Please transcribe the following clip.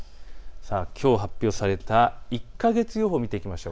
きょう発表された１か月予報を見ていきましょう。